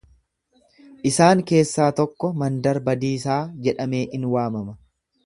Isaan keessaa tokko mandar badiisaa jedhamee ni waamama.